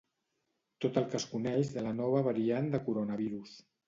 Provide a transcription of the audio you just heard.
Tot el que es coneix de la nova variant de coronavirus.